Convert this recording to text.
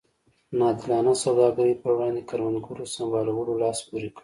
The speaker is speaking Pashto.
نا عادلانه سوداګرۍ پر وړاندې کروندګرو سمبالولو لاس پورې کړ.